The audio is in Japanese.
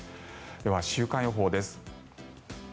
では、週間予報です。